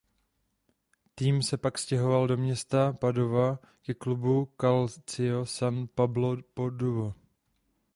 Tým se pak stěhoval do města Padova ke klubu Calcio San Paolo Padova.